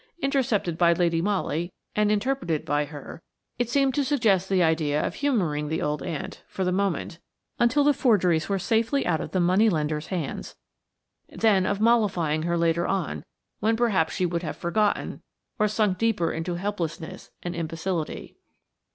Intercepted by Lady Molly and interpreted by her, it seemed to suggest the idea of humouring the old aunt, for the moment, until the forgeries were safely out of the money lender's hands, then of mollifying her later on, when perhaps she would have forgotten, or sunk deeper into helplessness and imbecility.